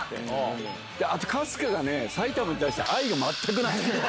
あと春日がね、埼玉に対して、愛が全くない。